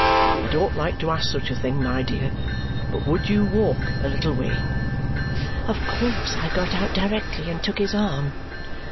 I don't like to ask such a thing, my dear, but would you walk a little way?" Of course I got out directly and took his arm.